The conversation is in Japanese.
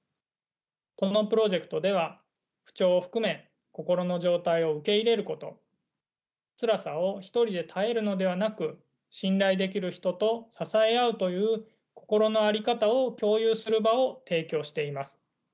このプロジェクトでは不調を含め心の状態を受け入れることつらさを一人で耐えるのではなく信頼できる人と支え合うという心の在り方を共有する場を提供しています。